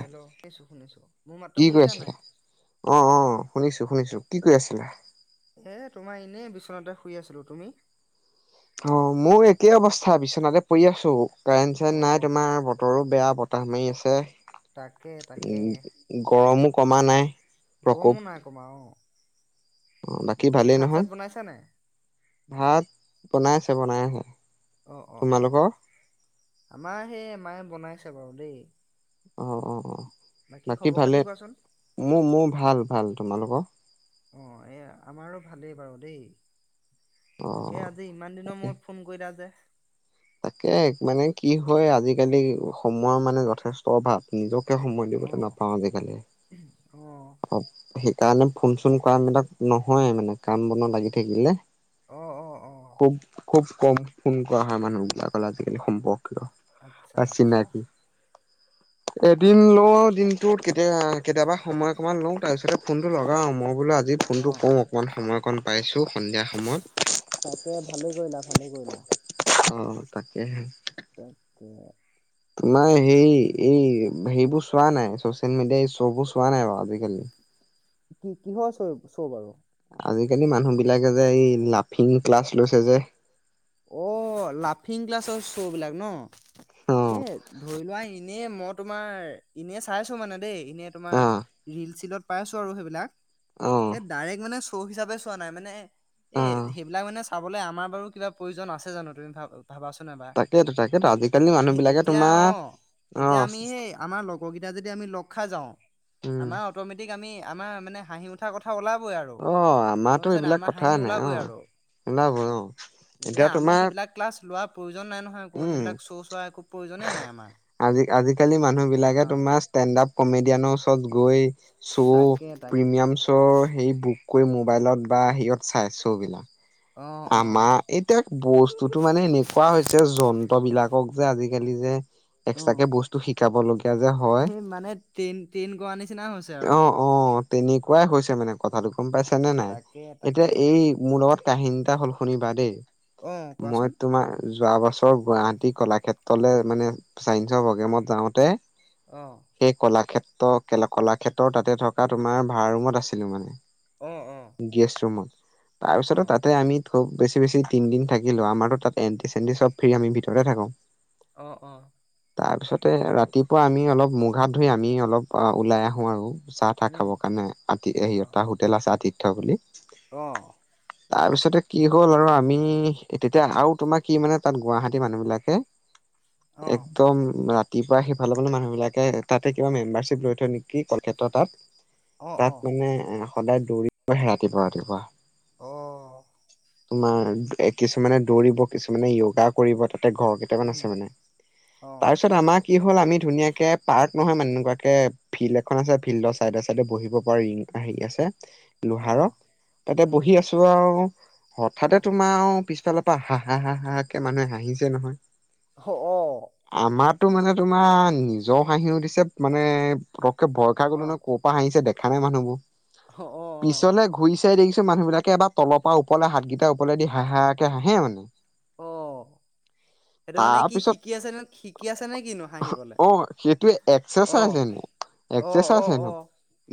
Hello শুনিছো শুনিছো। মোৰ মাতটো কি কৰি শুনিছা আছিলা নাই অ' অ' শুনিছো শুনিছো কি কৰি আছিলা? এ তোমাৰ এনেই বিচনাতে শুই আছিলো তুমি? অ' মোৰ একেই অৱস্থা বিচনাতে পৰি আছো কাৰেণ্ট অ -চাৰেণ্ট নাই তোমাৰ বতৰো বেয়া বতৰ তাহ মাৰি আছে তাকে উ তাকে গৰমো কমা নাই। প্ৰকোপ গমও নাই কমা অ'। অ' বাকী ভালেই ভাত চাত নহয়, বনাইছা নাই ভাত বনাই আছে বনাই আহে অ' অ' অ' আমাৰ সেই মায়ে বনাইছে বাৰু দেই অঁ' অ' বাকী খবৰ খাতি ভালে, কোৱাচোন মোৰ মোৰ ভাল ভাল তোমালোকৰ? অঁ' এই আমাৰো ভালেই বাৰু দেই। তাকে অ', আজি ইমান দিনৰ তাকে। মূৰত ফোন কৰিলা যে তাকে মানে কি হয় আজিকালি সময়ৰ মানে যথেষ্ট অভাৱ নিজক সময় অ দিবলৈ নাপাওঁ আজিকালি। অ' সেইকাৰণে ফোন- চোন কৰামেলাত নহয় মানে কাম বন লাগি থাকিলে। অ অ অ খুব খুব কম ফোন কৰা হয়। মানুহবিলাকলে আজিকালি সম্ভৱ। আচ্ছা বা আচ্ছা চিনাকি। এদিননো দিনটোত কেতিয়া কেতিয়াবা সময় অকণমান লওঁ, তাৰপিছতে ফোনটো লগাওঁ, মই বোলো আজি অ ফোনটো কওঁ। অকণমান সময় অকণ পাইছোঁ। তাকে ভালেই কৰিলা, ভালে কৰিলা। অ' তাকেহে তাকে তোমাৰ সেই এই সেইবোৰ চোৱা নাই চচিয়েল মেডিয়াই শ্ববোৰ চোৱা নাই বাৰু আজিকালি। কি কিহৰ চৰু বাৰু আজিকালি মানুহ বিলাকে যে এই লাফিং ক্লাছ লৈছে যে অ' লাফিং ক্লাছৰ চ' বিলাক ন অ এ ধৰি লোৱা এনেই মই তোমাৰ এনে চাইছো মানে দেই এনেই তোমাৰ অ ৰিল- চিলত পাই আছো আৰু সেইবিলাক অ এই ডাইৰেক্ট মানে শ্ব' হিচাপে চোৱা নাই মানে এ অ। সেইবিলাক মানে চাবলৈ আমাৰ বাৰু কিবা প্ৰয়োজন আছে জানো তুমি ভাব তাকেইতো তাকে ত সেই এতিয়া অ' এতিয়া অ' আমি সেই আমাৰ লগৰ কেইটা যদি আমি লগ খাজাও উম আমাৰ অটমেটিক আমি আমাৰ মানে হাঁহি উঠাৰ কথা ওলাব অ' আমাৰতো এইবিলাক কথা নাই ওলাবই অ' আৰু ওলাব অ' এতিয়া আমি সেইবিলাক ক্লাছলোঁৱা প্ৰোয়োজন নাই নাই নহয় একো উম সেইবিলাক চ' চোৱাৰ প্ৰয়োজন এ নাই আজি আজিকালি মানুহ বিলাকে আমাৰ অ' তোমাৰ ষ্টেণ্ড আপ কমেডিয়ানৰ ওচৰত গৈ শ্ব' তাকে তাকে। প্ৰিমিয়াম শ্ব'ৰ সেই বুক। কৰি মোবাইলত বা হেয়ত চাই মবাইলত। অ', অ', আমাৰ এতিয়া বস্তুতো মানে এনেকুৱা হৈছে যন্ত্ৰ বিলাকক যে আজিকালি। যে। অ' এক্সট্ৰাকে বস্তু শিকাব লগীয়া যে হয় সেই মানে ট্ৰেইন ট্ৰেইন কৰোৱা নিচিনা হৈছে আৰু। অ', অ' তেনেকুৱাই হৈছে মানে। কথাটো গ'ম পাইছে নে নাই। তাকে এতিয়া তাকে। এই মোৰ লগত কাহিনী এটা হ'ল শুনিবা দেই। অ', মই কোৱাচোন তোমাৰ যোৱাবাট ওচৰৰ গুৱাহাটী কলাক্ষেত্ৰলে মানে চাইন্সৰ প্ৰগ্ৰেমত যাওঁতে। অ', সেই কলাক্ষেত্ৰ কলাক্ষেত্ৰৰ তাতে থকা তোমাৰ ভাড়া ৰুমত আছিলো মানে। অ', অ', গেছ ৰুমত। তাৰপিছতো অ', তাতে আমি। ব বেছি বেছি তিন দিন থাকিলো। আমাৰো তাত এণ্টি চেণ্টি চ'ব ফ্ৰী আমি ভিতৰতে থাকো। অ' অ'। তাৰপিছতে ৰাতিপুৱা আমি অলপ মুখ হাত ধুই আমি অলপ ওলাই আহোঁ আৰু। চাহ তাহ উম। খাবৰ কাৰণে আতি হোটেল আছে আতিথ্য বুলি। আহ। তাৰপিছতে। কি হ'ল আৰু আমি তেতিয়া আৰু তোমাৰ কি মানে তাত গুৱাহাটী মানুহ বিলাকে। অ', একদম ৰা। ৰাতিপুৱা সিফালৰ ফালে মানুহবিলাকে তাতে কিবা মেম্বাৰশিপ লৈ থয় নেকি কলক্ষেত্ৰ তাত। অ', অ', তাত মানে এ সদায় দৌৰিব আহে ৰাতিপুৱা ৰাতিপুৱা। অ'। তোমাৰ কিছুমানে দৌৰিব কিছুমানে য়োগা কৰিব। তাতে ঘৰ কেইটামান উম, আছে মানে অ', তাৰপিছত আমাক। কি হ'ল আমি ধুনীয়াকে পাৰ্ক নহয় মানে এনেকুৱাকে ফিল্ড এখন আছে ফিল্ডৰ চাইডে চাইডে বহিব পাৰি। আহি আছে। লোহাৰ অ', তাতে উম, বহি আছো আৰু হঠাৎ অ', তোমাৰ পিছফালে। হা হা হা হাঁ কে মানুহে হাঁহিছে নহয়। অ', অ', আমাৰো মানে তোমাৰ নিজৰ হাঁহি উঠছে মানে ভৰ খাই গলো ন' অ', ক'ৰ পৰা হাঁহিছে দেখা নাই মানুহোৰ অ', পিছলে ঘূৰি চাই দেখি মানুহ বিলাকে এাৰ তলৰ পৰাওৰলে হাতগেইটা ওৰলেদি হহাকে হাঁহে মানে। অঁ। সেইটো মানে কি তাৰপিছত শিকি আছে ন' শিকি আছে নে কিনো হাঁহিবলে অ' অ'। অ', একাৰচাইজ অ', হেনো অ',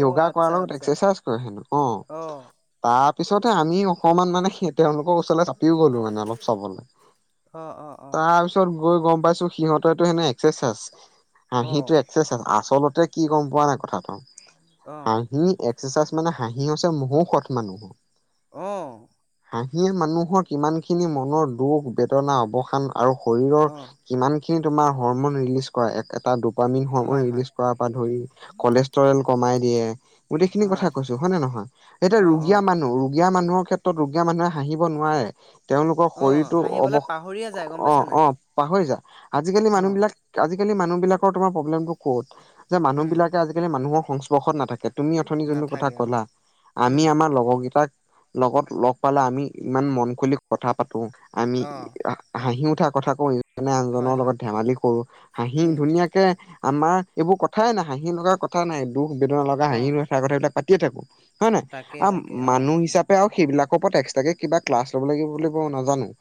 অ', য়োগা কৰাৰ আচ্ছা লগত আচ্ছা এক্সাৰচাইজ কৰে হেনো অ' তাত পিছতে আমি অকণমান মানে সে তেওঁলোকৰ ওচৰলৈ চাপিও গ'লো মানে অলপ চাবলৈ অ', অ', অ', তাৰপিছত গৈ গম পাইছোঁ সিহতেটো এক্সেচাজ হাঁহি টো অ', এক্সেচাজ আচলতে কি গম পোৱা নাই কথাটো অ', হাঁহি একাই মানে হাঁহি আছে মহৌ সৎ মানুহ। আহ। হিয়ে মানুহৰ কিমান খিনি মনৰ দুখ বেদনা অৱসান আৰু শৰীৰৰ অ', কিমান খিনি তোমাৰ হৰমন ৰিলিজ কৰা এটা দু দুমিন সমহ হয়, হয়, ৰিলিজ কৰ পৰা ধৰি কলেষ্টৰেল কমাই দিয়ে। গোটেইখিনি হয়, কথা কৈছো হয় নহয় এতিয়া অ', ৰুগীয়া অ', মানুহ ৰুগীয়া মানুহৰ ক্ষ্ৰত গীয়া মানুহে হাঁহিব নোৱাৰে। তেওঁলোকৰ অ', শৰীৰটো অৱ হাঁহিবলৈ পাহৰিয়ে যায় গম পাইছা অ' নাই অ' পাহৰি যা আজিকালি মানুহ অ', বিলাক আজি আজিকালি মানুহ বিলাকৰ তোমাৰ প্ৰ্লেম ক'ত যে উম, মানুবিলাকে আজিকালি মানুহ সংস্পৰ্শ নাথাকে। তুমি অথনি জননৰ কথা নাথাকে অ', ক'লা উম, আমি আমাৰ লগৰকেইটাক লগত লগ পালে আমি ইমান মন খুলি কথা পাতো আমি অ', হাঁহি উঠা কথা কওঁ। এজনে আনজনৰ হয়, লগত হয়, ধেমালি কৰো হাঁহি উম, ধুনীয়াকে আমাৰ এইবোৰ কথাই নাই হাঁহি লগাৰ কথা নাই দুখ বেদনা লগা হাঁহি অ', লগ চাই কথা এইাবিলাক পাতিয়ে থাকো। হয় নাই তাকে, আ তাকে অ', মানুহ হিচাপে আৰু সেইবিলাক ওপৰত এক্সট্ৰাক কে কিবা ক্লাছ ল'ব লাগিব বুলিব নাজানো।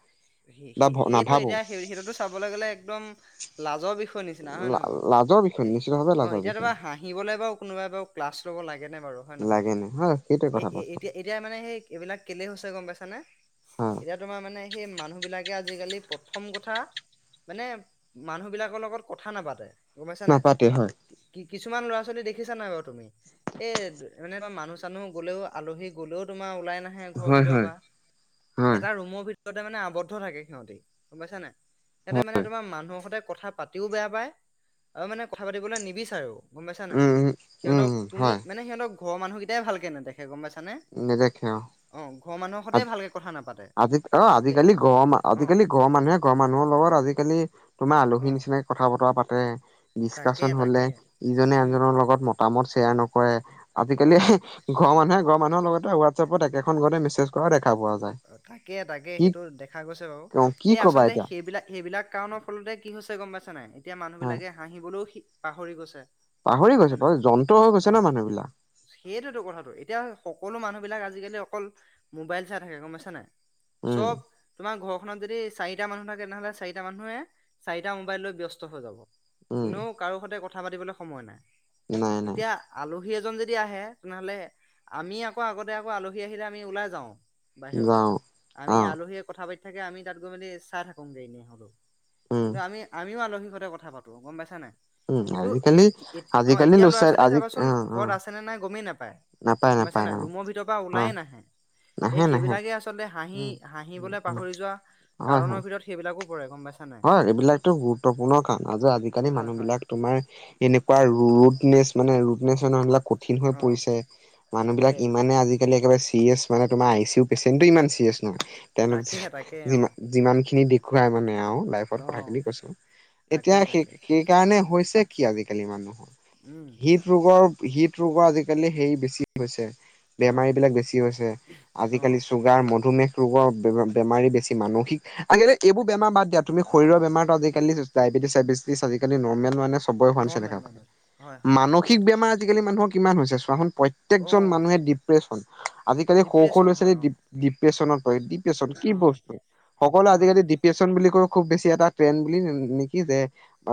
বা সে সেইয়টো নাভাবো এতিয়া সেই সেইটোতো চাবলৈ গলে একদম লাজৰ বিষয় নিচিনা হয় নে নহয় বাৰু। লাজৰ বিষয় নিশ্চিত ভাৱে অ' লাজৰ এতিয়া তোমা বিষয় হাঁহিবলে বাৰু কোনোবাই বাৰু ক্লাছ লব লাগেনে বাৰু হয় নহয়। লাগে নে হয় সেইটোৱে এ কথা এ পাত এতিয়া এতিয়া মানে সেই এইবিলাক কেলে হৈছে গম পাইছানে হয় এতিয়া তোমাৰ মানে সেই মানুহ বিলাকে আজিকালি প্ৰথম কথা মানে মানুহ বিলাকৰ লগত কথা নাপাতে। গমাইছা নাই নাপাতে হয় কি কিছুমান ল'ৰা ছোৱালী দেখি দেখিছা নাই বাৰু তুমি এই এনে মানুহ চানুহ গ'লেও আলহী গ'লেও তোমাৰ ওলাই নাহে ঘৰৰ হয় ভিতৰত হয় বা হয় এটা ৰুমৰ ভিতৰতে মানে আৱদ্ধ থাকে সিহতে গম পাইছানে নাই। সিহঁতে মানে তোমাৰ মানুহৰ সতে কথা পাতিও বেয়া পায় আৰু মানে কথা পাতিবলৈ নিবিচাৰেও। গম পাইছা নে উম উম সিহতক উম তুমি হয় মানে সিহঁত ঘৰৰ মানুহকটাই ভাল কে নেদেখে গম পাইছ নে অ' ঘৰৰ মানুহৰ সতে ভালকে কথা নাপাতে। আজি অ' দেই আজিকালি ঘৰৰ অ ঘৰৰ মানুহে ঘ়ৰ মানুহৰ লগত আজিকালি তোমাৰ অ আলহীৰ নিচিনাকে কথা বতৰা পাতে। তাকে ডিচকাশচন হলে তাকে ইজনে উম আনজনৰ লগত মতামত শ্বেয়াৰ নকৰে অ আজিকালি ঘৰৰ মানুহে ঘৰ মানুহ লগতে হোৱাটছএপত একেখন ঘৰতে মেছেজ কৰাও দেখা পোৱা যায়। তাকে তাকে কি সেইটো দেখা গৈছে বাৰু কি এই কবা আচলতে এতিয়া সেইবিলাক সেইবিলাক কাৰণৰ ফলতে কি হৈছে গম পাইছা নাই এতিয়া মানুহ বিলাকে হাঁহিবলৈও পাহৰি গৈছে। গম পাহৰি পাইছা গৈছে নে নাই বাৰু যন্ত্ৰ হৈ গৈছে অ' ন মানুহ বিলাক সেইটোতো কথাটো এতিয়া সকলো মানুহ বিলাক আজিকালি অকল মোবাইল চাই থাকে গম পাইছ নে নাই উম চব তোমাৰ ঘৰ খনত যদি চাৰিটা মানুহ থাকে তেনেহলে চাৰিটা মানুহে চাৰিটা মোবাইল লৈ ব্যস্ত হৈ যাব। উম কোনেও কাৰো সৈতে কথা পাতিবলৈ সময় নাই নাই নাই এতিয়া আলহী এজন যদি আহে তেনেহলে আমি আকৌ আগতে আকৌ আলহী আহিলে আমি ওলাই যাওঁ বাহিৰলৈ যাওঁ আমি অ আলহীয়ে কথা পাতি থাকে আমি তাত গৈ মেলি চাই থাকোঁ গৈ এনে হলেও। উম কিন্তু আমি আমিও আলহীৰ সতে কথা পাতো গম পাইছা নে নাই। উম কিন্তু আজিকালি এতি অ' আজিকালি এতিয়া ল'ৰা ছোৱালী আজি চাবাচোন অ অ ঘৰত আছে নে নাই গমেই নাপায়। নাপায় গম পাইছা নাপায় নাই অ ৰুমৰ ভিতৰৰ পৰা অ ওলায়ে নাহে। এই নাহে নাহে সেইবিলাকে আচলতে হাঁহি উম উম হাঁহিবলৈ উম পাহৰি যোৱা হয় কাৰণৰ হয় ভিতৰত সেইবিলাক হয়, এইবিলাকতো গুৰুত্বপূৰ্ণ কাৰণ যে আজিকালি হয় হয় মানুহবিলাক তোমাৰ এনেকুৱা ৰুদনেছ মানে ৰুদনেছ হৈ মানুহবিলাক কঠিন হৈ অ পৰিছে। মানুহবিলাক তাকে ইমানে আজিকালি একেবাৰে চিৰিয়েচ মানে তোমাৰ আই চি ইউ পেচেন্টটো ইমান চিৰিয়াছ নহয়। তেওঁলোকি তাকেহে তাকে অ যিমান-যিমানখিনি ঘূৰাই মানে আৰু লাইফত অ কথাখিনি কৈছোঁ। এতিয়া তাকে সেই তাকে সেইকাৰণে হৈছে কি আজিকালি মানুহৰ উম হৃদ ৰোগৰ হৃদ ৰোগৰ আজিকালি হেৰি বেছি হৈছে। হয় বেমাৰীবিলাক বেছি হৈছে অ আজিকালি চুগাৰ মধুমেহ ৰোগৰ বেমাৰী বেছি মানসিক আজিকালি এইবোৰ বেমাৰ বাদ দিয়া। অ শৰীৰৰ বেমাৰতটো আজিকালি ডায়বেটিছি চায়েবেটিছ আজিকালি নৰ্মেল মানে চবৰে হোৱা দেখা নৰ্মেল পোৱা যায়। নৰ্মেল হয় হয় মানসিক বেমাৰ আজিকালি মানুহৰ কিমান হৈছে চোৱাচোন! অ প্ৰত্যেকজন মানুহে ডিপ্ৰেশ্যন আজিকালি সৰু সৰু ডিপ্ৰেশ্যন ল'ৰা হয় ছোৱালী অ ডি-ডিপ্ৰেচনত কি অ বস্তু? সকলোৱে হয় আজিকালি ডিপ্ৰেছন বুলি ক খুব বেছি এটা ট্ৰেনদ বুলি নেকি যে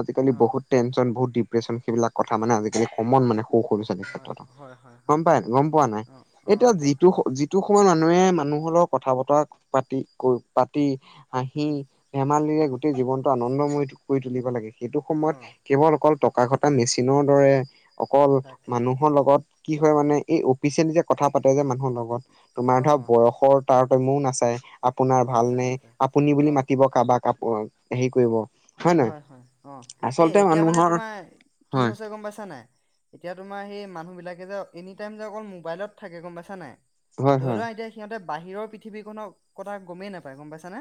আজিকালি অ বহুত টেনচন বহুত দি ডিপ্ৰেছন সেইবিলাক কথা মানে আজিকালি কমন মানে সৰু সৰু ল'ৰা ছোৱালী হয় ক্ষেত্ৰত। হয় হয় গম হয় পাই গম পোৱা নাই, অ অ এতিয়া যিটো যিটো সময়ত মানে মানুহে মানুহৰ লগৰ কথা বতৰা পাতি কৈ পাতি হাঁহি উম ধেমালিৰে উম গোটেই জীৱনটো আনন্দময় কৰি তুলিব লাগে। সেইটো অ সময়ত কেৱল অকল টক টকা ঘটা মেচিনৰ দৰে অকল তাকে মানুহৰ তাকে লগত কি মানে এই অফিচিয়েলি যে কথা পাতে যে মানুহৰ লগত তোমাৰ অ ধৰা বয়সৰ তাৰ তম্যয়ো নাচায়। আপোনাৰ ভাল নাচায় নে নাচায় আপুনি বুলি অ মাতিব। আপোনাৰ হেৰি কৰিব। হয়, হয় অ' এই আচলতে এতিয়া মানে মানুহৰ তোমাৰ কি হয় হৈছে গম পাইছা নাই? এতিয়া তোমাৰ সেই মানুহবিলাকে যে এনি টাইম যে অকল মোবাইলত থাকে গম পাইছা নাই। হয় ধৰি হয় লোৱা এতিয়া সিহঁতে বাহিৰৰ পৃথিৱীখননৰ কথা গমেই নাপায় গম পাইছানে?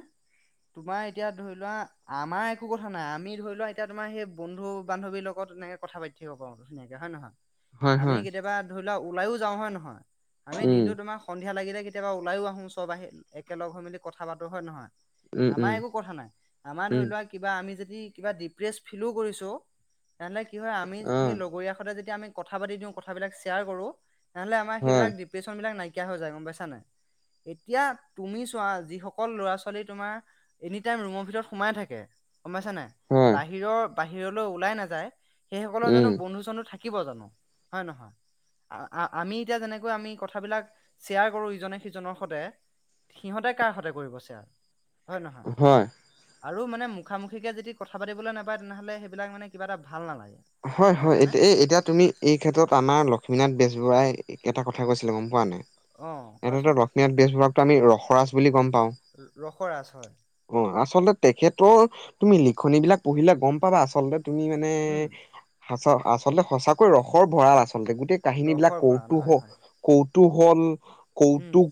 তোমাৰ এতিয়া ধৰি লোৱা আমাৰ একো কথা নাই আমি ধৰি লোৱা এতিয়া তোমাৰ সেই বন্ধু বান্ধৱীৰ লগত এনেকে কথা পাতি থাকিব পাৰো ধুনীয়াকে হয় নহয়? হয় আমি হয় কেতিয়াবা ধৰি লোৱা ওলাইও যাওঁ হয় নহয়। আমি উম দিনটো তোমাৰ সন সন্ধিয়া লাগিলে কেতিয়াবা ওলাইো আহো চব আহি একেলগ হৈ মেলি কথা পাতো হয় নহয়? উম আমাৰ উম একো কথা নাই। আমাৰ উম ধৰি লোৱা কিবা আমি যদি কিবা দিপ্ৰেচ ফিলো কৰিছো তেনেহ'লে কি হয় আমি অ সেই লগৰীয়া সৈতে যদি আমি কথা পাতি দিওঁ কথাবিলাক শ্বয়াৰ কৰো। তেনেহ'লে আমাৰ হয়, সেইবিলাক ডিপ্ৰেচনবিলাক নাই কিয়া হৈ যায় গম পাইছানে নাই? এতিয়া তুমি চোৱা যিসকল ল'ৰা ছোৱালী তোমাৰ এনি টাইম ৰুমৰ ভিতৰত সোমাই থাকে। গম পাইছানে নাই হয়, বাহিৰৰ বাহিৰলৈ ওলাই নাযায় সেইসকলৰ উম, জানো বন্ধু চন্ধু থাকে। থাকিব জানো? হয়নে নহয়! আমি এতিয়া যেনেকৈ আমি কথাবিলাক শ্বেয়াৰ কৰো ইজনে সিজনৰ সৈতে। সিহঁতে কাৰ সৈতে কৰিব ছেয়াৰ হয়নে নহয় হয়। আৰু মানে মুখামুখিকৈ যদি কথা পাতিলৈ নাপায় তেনেহ'লে সেইবিলাক মানে কিবা নালাগে। হয়, গম হয় পাইছানে এতিয়া এই এতিয়া তুমি এই ক্ষেত্ৰত আমাৰ লক্ষ্মীনাথ বেজবৰুৱাই এটা কথা কৈছিলে মন পোৱা নাই? অ এনেতো কোৱাচোন লক্ষ্মীনাথ বেজবৰুৱাকতো আমি ৰসৰাজ বুলি গম পাওঁ। ৰসৰাজ হয় অ', আচলতে তেখেতৰ তুমি লিখনীবিলাক পঢ়িলে গম পাবা আচলতে তুমি মানে উম আচলতে সঁচাকৈ ৰসৰ ভঁৰাল আচলতে। গোটেই কাহিনীবিলাক ৰসৰ ভঁৰাল হয় কৌতুহক হয় কৌত তুহল উম কৌতুক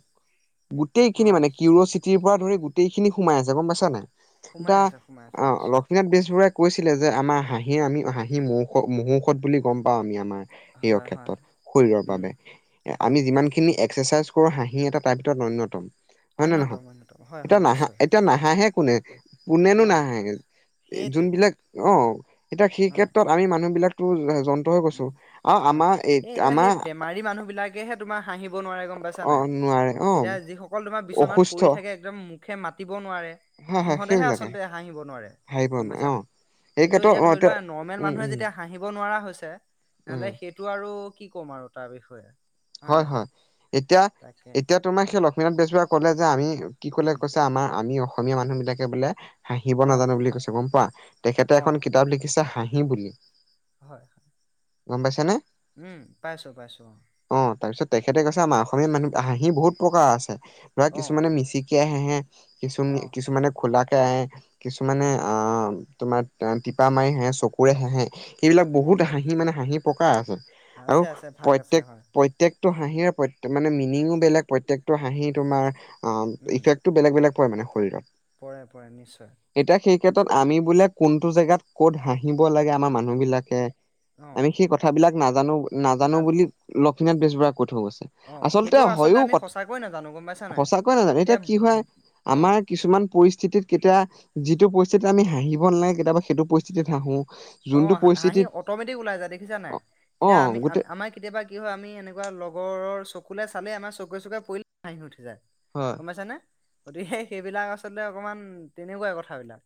অ গোটেইখিনি মানে কিৰিইউচিটিৰ পৰা ধৰি গোটেইখিনি সোমাই আছে গম পাইছা নাই! সোমাই এতিয়া আছে সোমাই আছে আহ নিশ্চয় লক্ষ্মীনাথ বেজবৰুৱাই কৈছিলে যে আমাৰ হাঁহি আমি হাঁহি মহৌষ-মহৌষধ বুলি গম পাওঁ আমি আমাৰ। সেই হয় হয় ক্ষেত্ৰত শৰীৰৰ উম বাবে। অ আমি যিমানখিনি এক কৰো হাঁহি এটা তাৰ ভিতৰত অন্যয়তম হয় নহয় অন্যতম নহয় অন্যতম হয় এতিয়া হয় নাহা নিশ্চয় এতিয়া নাহে কোনে পোনেনো অ নাহে সেইটোৱে যোনবিলাক অ এতিয়া সেই অ ক্ষেত্ৰ মানুহ বিলাক টো উম, অ' এই এতিয়া আমাৰ সেই বেমাৰী মানুহ বিলাকেহে তোমাৰ হাঁহিব নোৱাৰে গম পাইছা অ নাই। নোৱাৰে অ এতিয়া যিসকল তোমাৰ বিচনাত অসুস্থ পৰি থাকে একদম দ নোৱাৰে হয় হয় সিহঁতেহে সেইবিলাকে আচলতে হাঁহিব নোৱাৰে ভাবিব গম নোৱাৰে পাইছা অ নে। এই কিন্তু ক্ষেত্ৰত এতিয়া অ ধৰি লোৱা নৰ্মেল উম মানুহে উম যেতিয়া হাঁহিব নোৱাৰা হৈছে। ন'হলে উম সেইটো আৰু কি ক'ম আৰু তাৰ বিষয়ে। হয়, হয় এতিয়া তাকে এতিয়া তোমাৰ সেই লক্ষ্মীনাথ বেজবৰুৱাই ক'লে যে আমি কি কলে উম কৈছে আমাৰ আমি অসমীয়া মানুহ বিলাকে বোলে হাঁহিব অ নাজানো বুলি কৈছে গম পোৱা তেখেতে অ এখন কিতাপ লিখিছে হাঁহি বুলি। হয়। গম পাইছ নে? উম, পাইছো পাইছো অ'। অ' তাৰপিছত তেখেতে কৈছে আমাৰ অসমীয়া মানুহ হাঁহি বহুত প্ৰকাৰ আছে ধৰা অ কিছুমানে মিচিক কে আহে কিছুমান অ অ কিছুমানে খোলা ক আহে হয় কিছুমানে হয় অ, তোমাৰ টিপা মাৰি হাঁহে চকুৰে হাঁহে সেইবিলাক উম বহুত হাঁহি মানে হাঁহি প্ৰকাৰ আছে। আছে আছে ভাগ আছে হয়। প্ৰকটো হাঁহিৰ মানে মিনিং বেলেগ প্ৰত্যকটো হাঁহি তোমাৰ উম ইফেক্ বেলেগ বেলেগ পই মানে শৰীৰত। পৰে পৰে নিশ্চয়। টত আমি বোলে কোনটো জেগাত ক'ত হাঁহিব লাগে আমাৰ মানুহ বিলাকে অ আমি সেই কথাবলাক নাজানো নাজানো না বুলি লক্ষ্মীনাথ বেজবৰুৱা কৈ থই গৈছে, অ আচলতে সেইটো হয়ও আমি কথা সঁচাকৈ নাজানো গম পাইছা নাই সঁচাকৈয়ে নাজানে এতিয়া কি হয় অ আমাৰ কিছুমান পৰিস্থিতিত কেতিয়া যিটো পৰিস্থিতি আমি হাঁহিব নালাগে কেতিয়াবা সেইটো পৰিস্থিতিত হাঁহো। অ, যোনটো হাঁহি পৰিস্থিতিত অটমেটিক ওলাই যায় দেখিছা নাই অ এতিয়া আমি গোটেই আমাৰ কেতিয়াবা কি হয় আমি তেনেকুৱা লগৰৰ চকুলে চালে আমাৰ চকুৰে চকে পৰিলে হাঁহি উঠি যায় হয় গম পাইছ নে। গতিকে সেইবিলাক আচলতে অকমান তেনেকুৱাই কথাবিলাক।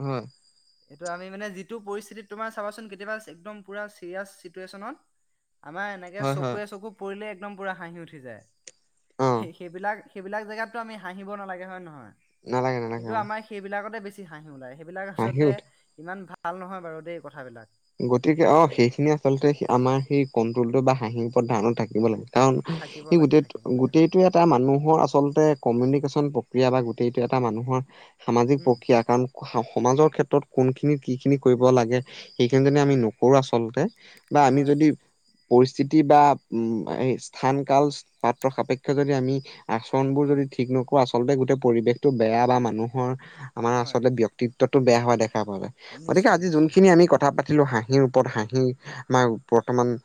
উম। এইটো আমি মানে যিটো পৰিস্থিতিত তোমাৰ চাবাচোন কেতিয়াবা একদম পুৰা চিৰিয়াছ চিটুৱেশ্যনত আমাৰ এনেকে হয় হয় চকুৱে চকু পৰিলে একদম পুৰা হাঁহি উঠি যায় অ সেইবিলাক সেইবিলাক জেগাততো আমি হাঁহিব নালাগে হয় নহয় নালাগে নালাগে কিন্তু অ আমাৰ সেইবিলাকতে বেছি হাঁহি ওলায়। এই বিলাক হাঁহি আচলতে উঠে ইমান ভাল নহয় বাৰু দেই কথাবিলাক। গতিকে অ, সেইবিলাক সেইখিনি আচলতে আমাৰ সেই কণ্ট্ৰলটো বা হাঁহিৰ ওপৰত ধানত থাকিব লাগে। কাৰণ থাকিব লাগে গোটেই থাকিব লাগে হয়। গোটেইটোৱে এটা মানুহৰ আচলতে কমিউনিকেশ্যন প্ৰক্ৰিয়া বা গোটেইটো এটা মানুহৰ সামাজিক উম প্ৰক্ৰিয়া কাৰণ সমাজৰ ক্ষেত্ৰত কোন খিনি কি খিনি কৰিব লাগে সেইখিনি যনে হয় আমি হয় নকৰো আচলতে বা আমি হয় যদি পৰিস্থিতি বা উ স্থান কাল পাত্ৰ সাপেক্ষে যদি আমি আচৰনবোৰ অ যদি ঠিক নকৰো আচলতে গোটেই পৰিৱেশতটো বেয়া বা মানুহৰ আমাৰ হয় আচলতে ব্ক্তিত্বতটো বেয়া হোৱা দেখা পায় গতিকে নিশ্চয় আজি নিশ্চয়। যোনখিনি আমি কথা কথা পাতিলো হাঁহিৰ ওপৰত হাঁহি আমাৰ বৰ্তমান